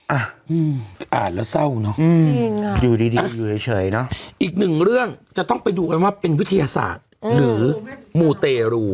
อ่ะอ่านแล้วเศร้าเนอะอยู่ดีอยู่เฉยเนอะอีกหนึ่งเรื่องจะต้องไปดูกันว่าเป็นวิทยาศาสตร์หรือมูเตรู